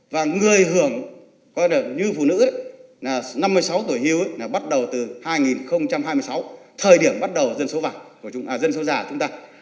và người hưởng như phụ nữ năm mươi sáu tuổi hưu bắt đầu từ hai nghìn hai mươi sáu thời điểm bắt đầu dân số giả chúng ta